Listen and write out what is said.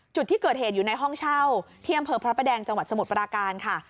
จุดที่เกิดเหตุอยู่ในห้องเช่าที่อำเภอพระประแดงจังหวัดสมุทรปราการค่ะ